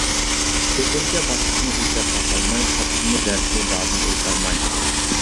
كۆپىنچە باشلىقنى ئىزدەپ تاپالماي، تاپسىمۇ دەردىنى دادىل ئېيتالماي.